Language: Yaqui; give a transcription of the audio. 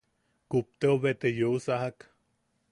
Kupteu bete yeusajak.